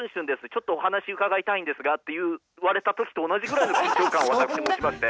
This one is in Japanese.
ちょっとお話伺いたいんですが」って言われた時と同じぐらいの緊張感を私持ちまして。